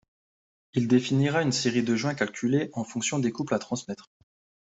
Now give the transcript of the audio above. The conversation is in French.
Il définira une série de joints calculés en fonction des couples à transmettre.